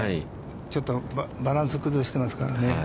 ちょっとバランスを崩してますからね。